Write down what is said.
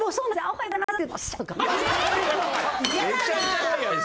はい。